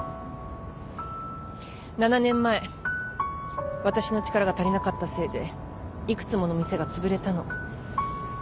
７年前私の力が足りなかったせいで幾つもの店がつぶれたの。